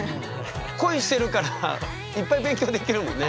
恋してるからいっぱい勉強できるもんね。